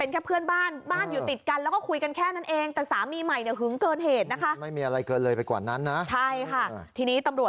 เขาบาดจะมาดว่านายเบ้งคนตายเนี่ย